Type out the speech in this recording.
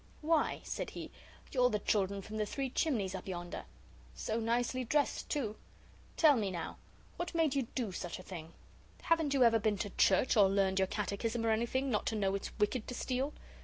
"Why," said he, "you're the children from the Three Chimneys up yonder. So nicely dressed, too. Tell me now, what made you do such a thing? Haven't you ever been to church or learned your catechism or anything, not to know it's wicked to steal?"